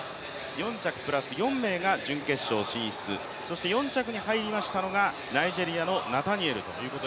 ４着プラス４名が準決勝進出そして４着に入りましたのがナイジェリアのナタニエル。